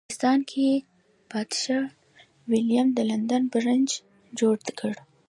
په انګلستان کې پادشاه ویلیم د لندن برج جوړ کړ.